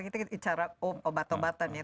kita bicara obat obatan ya